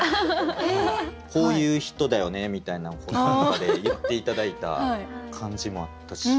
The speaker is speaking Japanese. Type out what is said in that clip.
こういう人だよねみたいなんを短歌で言って頂いた感じもあったし